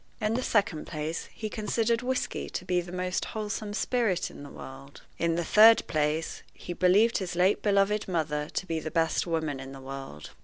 In the second place, he considered whisky to be the most wholesome spirit in the world. In the third place, he believed his late beloved mother to be the best woman in the world.